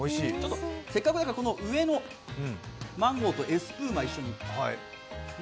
せっかくだから上のマンゴーとエスプーマを一緒に。